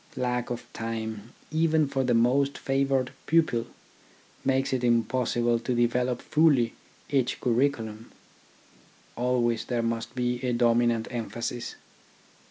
Lack of time, even for the most favoured pupil, makes TECHNICAL EDUCATION 39 it impossible to develop fully each curriculum. Always there must be a dominant emphasis.